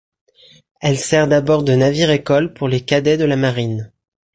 Elle sert d'abord de navire-école pour les cadets de la marine.